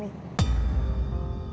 ibu menjual kamu juga